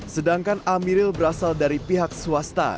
sedangkan amiril berasal dari pihak swasta